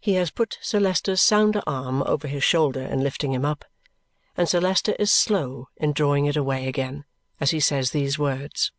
He has put Sir Leicester's sounder arm over his shoulder in lifting him up, and Sir Leicester is slow in drawing it away again as he says these words.